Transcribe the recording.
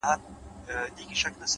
نیک عمل د وجدان سکون زیاتوي’